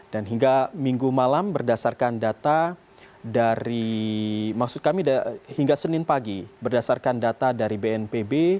dan hingga minggu malam berdasarkan data dari maksud kami hingga senin pagi berdasarkan data dari bnpb